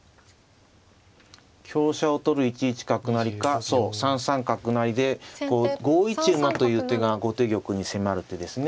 香車を取る１一角成かそう３三角成でこう５一馬という手が後手玉に迫る手ですね。